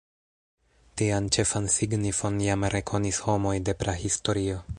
Tian ĉefan signifon jam rekonis homoj de prahistorio.